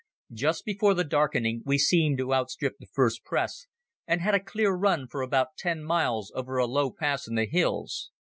Just before the darkening we seemed to outstrip the first press, and had a clear run for about ten miles over a low pass in the hills.